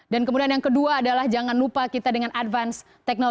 dan kemudian yang kedua adalah jangan lupa kita dengan advance